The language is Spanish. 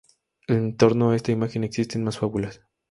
En torno a esta imagen existen más fábulas.